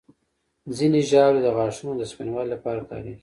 ځینې ژاولې د غاښونو د سپینوالي لپاره کارېږي.